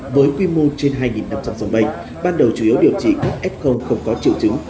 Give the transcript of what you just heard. với quy mô trên hai năm trăm linh giường bệnh ban đầu chủ yếu điều trị các f không có triệu chứng